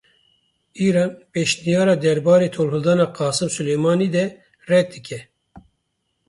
Îran pêşniyarara derbarê tohildana Qasim Sulêymanî de red dike.